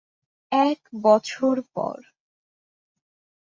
এক বছর পর।